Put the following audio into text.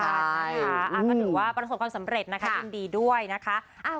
ก็ถือว่าประสบความสำเร็จนะคะยินดีด้วยนะคะ